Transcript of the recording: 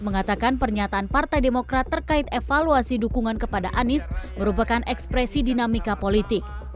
mengatakan pernyataan partai demokrat terkait evaluasi dukungan kepada anies merupakan ekspresi dinamika politik